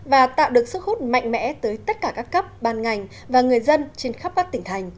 và tạo được sức hút mạnh mẽ tới tất cả các cấp ban ngành và người dân trên khắp các tỉnh thành